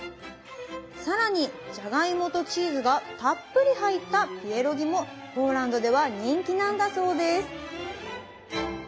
更にじゃがいもとチーズがたっぷり入ったピエロギもポーランドでは人気なんだそうです